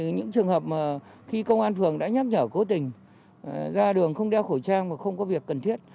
những trường hợp khi công an phường đã nhắc nhở cố tình ra đường không đeo khẩu trang mà không có việc cần thiết